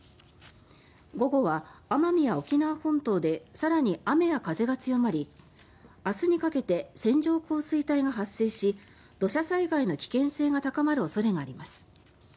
午後は奄美や沖縄本島で更に雨や風が強まり明日にかけて線状降水帯が発生し土砂災害の危険性が高まる恐れがあります。